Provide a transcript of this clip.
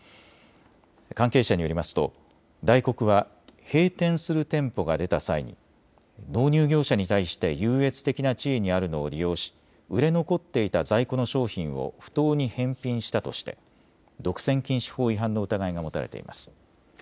関係者によりますとダイコクは閉店する店舗が出た際に納入業者に対して優越的な地位にあるのを利用し売れ残っていた在庫の商品を不当に返品したとして独占禁止法違反の疑いが持たれています。